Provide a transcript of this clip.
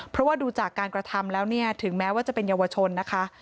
เพราะว่าดูจากการกระทำแล้วเนี่ยถึงแม้ว่าจะเป็นเยาวชนนะคะ